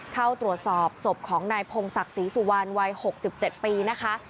เข้าตรวจสอบศพของนายพงศักดิ์ศรีสุวรรณวัย๖๗ปีนะคะ